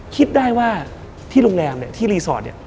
คิดได้ว่าที่โรงแรมที่รีซอร์ต